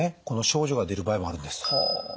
この症状が出る場合もあるんです。